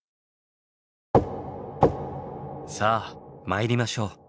さあ参りましょう。